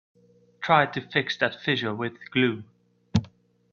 Try to fix that fissure with glue.